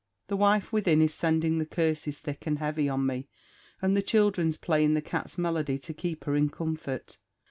The wife within is sending the curses thick and heavy on me, and the childhre's playing the cat's melody to keep her in comfort.